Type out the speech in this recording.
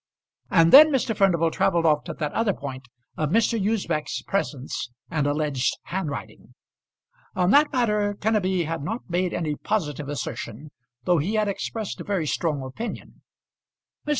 And then Mr. Furnival travelled off to that other point of Mr. Usbech's presence and alleged handwriting. On that matter Kenneby had not made any positive assertion, though he had expressed a very strong opinion. Mr.